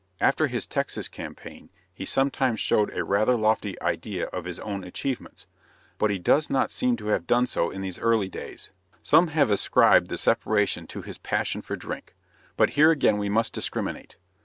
After his Texan campaign he sometimes showed a rather lofty idea of his own achievements; but he does not seem to have done so in these early days. Some have ascribed the separation to his passion for drink; but here again we must discriminate.